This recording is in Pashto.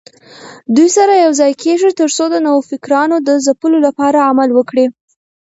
دوی سره یوځای کېږي ترڅو د نوفکرانو د ځپلو لپاره عمل وکړي